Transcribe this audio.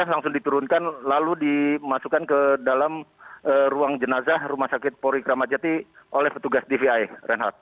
langsung diturunkan lalu dimasukkan ke dalam ruang jenazah rumah sakit polri kramajati oleh petugas dvi renhard